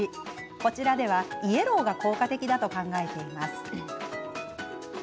こちらでは、イエローが効果的だと考えています。